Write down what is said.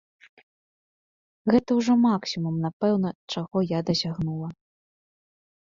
Гэта ўжо максімум, напэўна, чаго я дасягнула.